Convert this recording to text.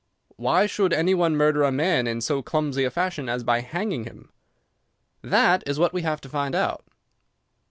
"Why should any one murder a man in so clumsy a fashion as by hanging him?" "That is what we have to find out."